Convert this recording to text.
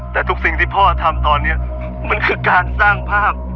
แต่ทุกสิ่งที่พ่อทำตอนนี้มันคือการสร้างภาพ